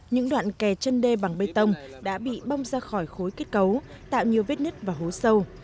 những đoạn kè chân đê bằng bê tông đã bị bong ra khỏi khối kết cấu tạo nhiều vết nứt và hố sâu